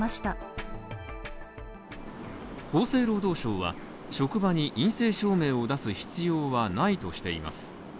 厚生労働省は職場に陰性証明を出す必要はないとしています